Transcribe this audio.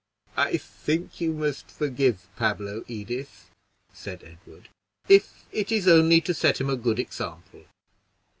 "I think you must forgive Pablo, Edith," said Edward, "if it is only to set him a good example."